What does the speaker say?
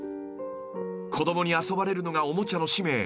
［子供に遊ばれるのがおもちゃの使命］